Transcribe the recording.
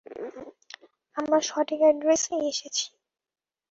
আমরা ঠিক অ্যাড্রেসেই এসেছি।